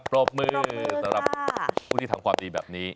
ปรบมือสำหรับผู้ที่ทำความดีแบบนี้